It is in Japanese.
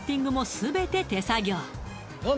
全て手作業